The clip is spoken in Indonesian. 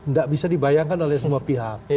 nggak bisa dibayangkan oleh semua pihak